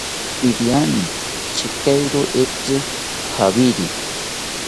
Iriani chekairo itzi javiri